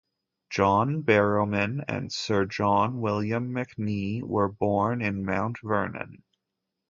John Barrowman and Sir John William McNee were born in Mount Vernon.